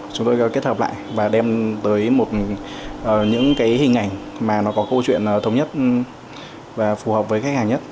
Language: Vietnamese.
chúng tôi kết hợp lại và đem tới một cái hình ảnh mà nó có câu chuyện thống nhất và phù hợp với khách hàng nhất